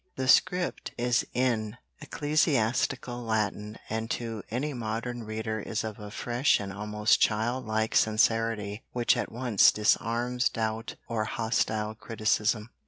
The script is in ecclesiastical Latin and to any modern reader is of a fresh and almost child like sincerity which at once disarms doubt or hostile criticism.